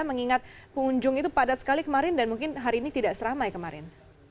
mengingat pengunjung itu padat sekali kemarin dan mungkin hari ini tidak seramai kemarin